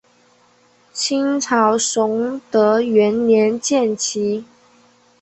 清朝崇德元年建旗。